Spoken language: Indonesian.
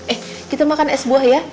eh kita makan es buah ya